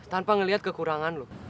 tanpa ngeliat kekurangan lo